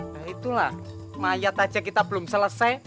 nah itulah mayat aja kita belum selesai